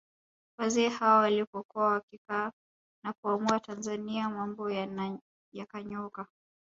Wazee hawa walipokuwa wakikaa na kuamua Tanzania mambo yakanyooka